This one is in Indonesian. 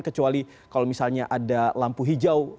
kecuali kalau misalnya ada lampu hijau